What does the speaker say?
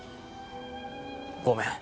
ごめん。